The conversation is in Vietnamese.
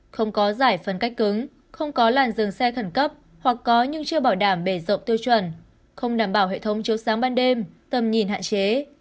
không có giải phân cách cứng không có làn dừng xe khẩn cấp hoặc có nhưng chưa bảo đảm bể rộng tiêu chuẩn không đảm bảo hệ thống chiếu sáng ban đêm tầm nhìn hạn chế